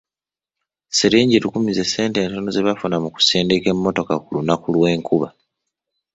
Siringi lukumu ze ssente entono ze bafuna mu kusindika emmotoka ku lunaku lw'enkuba.